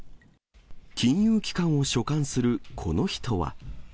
金融機関を所管するこの人は。